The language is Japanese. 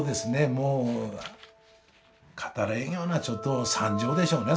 もう語れんようなちょっと惨状でしょうね